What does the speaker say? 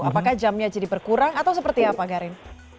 apakah jamnya jadi berkurang atau seperti apa garin